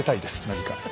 何か。